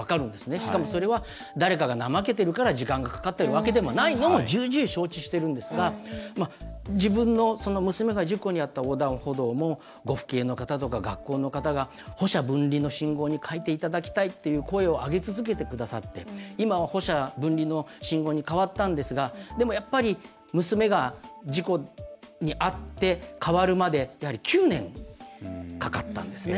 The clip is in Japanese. しかもそれが誰かが怠けてるから時間がかかってるわけでもないことも重々承知してるんですが自分の娘が事故に遭った横断歩道もご父兄の方とか学校の方とかが歩者分離の信号に変えていただきたいという声を上げ続けてくださって今、歩車分離の信号に変わったんですがやっぱり娘が事故に遭って変わるまで９年かかったんですね。